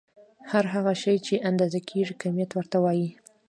هر هغه شی چې اندازه کيږي کميت ورته وايې.